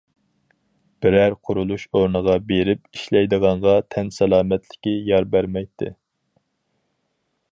بىرەر قۇرۇلۇش ئورنىغا بېرىپ ئىشلەيدىغانغا تەن سالامەتلىكى يار بەرمەيتتى.